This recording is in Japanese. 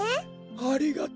ありがとう。